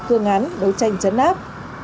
cương án đấu tranh chấn áp